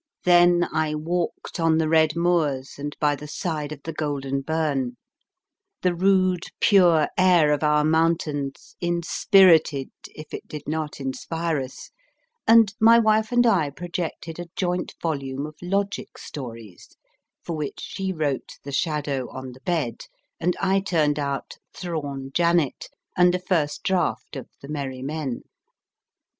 Then I walked on the red moors and by the side of the golden burn ; the rude, pure air of our mountains inspirited, if it did not inspire us, and my wife and I projected a joint volume of logic stories, for which she wrote The Shadow on the Bed, and I turned out Thrawn Janet and a first draft of * The Merry Men.